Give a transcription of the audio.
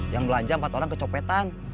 yang belanja empat orang kecopetan